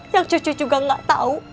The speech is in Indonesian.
yang cucu juga nggak tahu